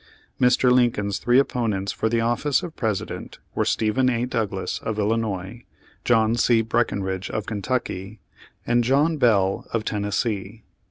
Mr. Lincoln's three opponents for the office of President, were Stephen A. Douglas, of Illinois; John C. Breckenridge, of Kentucky; and John Bell, of Tennessee.